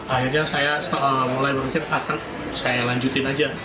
akhirnya saya mulai berpikir akan saya lanjutin aja